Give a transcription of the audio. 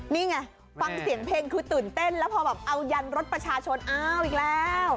นี่ไงฟังเสียงเพลงคือตื่นเต้นแล้วพอแบบเอายันรถประชาชนอ้าวอีกแล้ว